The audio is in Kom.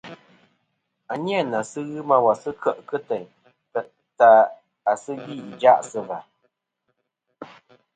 À ni a nà sɨ ghɨ ma wà sɨ kêʼ tèyn ta à sɨ gvî ìjaʼ sɨ và.